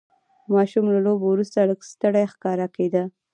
ماشوم له لوبو وروسته لږ ستړی ښکاره کېده.